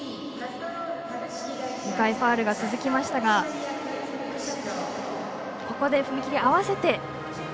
２回ファウルが続きましたが踏み切り合わせて。